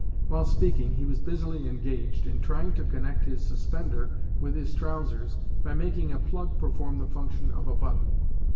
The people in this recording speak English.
While speaking, he was busily engaged in trying to connect his suspender with his trousers by making a 'plug' perform the function of a button.